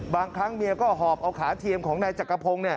บางครั้งเมียก็หอบเอาขาเทียมของนายจักรพงศ์